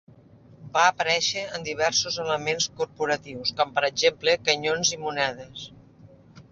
Va aparèixer en diversos elements corporatius, com per exemple canyons i monedes.